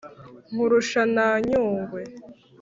Nkurusha na Nyungwe,